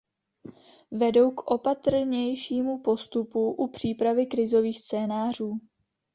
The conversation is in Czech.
Vedou k opatrnějšímu postupu u přípravy krizových scénářů.